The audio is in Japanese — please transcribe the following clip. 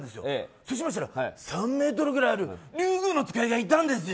そうしましたら３ｍぐらいあるリュウグウノツカイがいたんですよ。